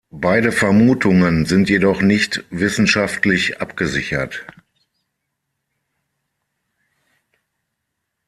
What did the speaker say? Beide Vermutungen sind jedoch nicht wissenschaftlich abgesichert.